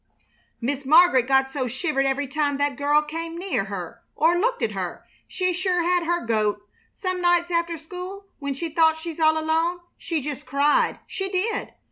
Miss Mar'get got so she shivered every time that girl came near her or looked at her. She sure had her goat! Some nights after school, when she thought she's all alone, she just cried, she did.